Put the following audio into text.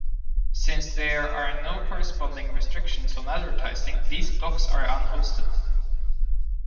Since there are no corresponding restrictions on advertising, these blocks are unhosted.